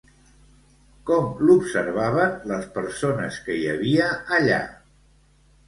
Com l'observaven les persones que hi havia allà?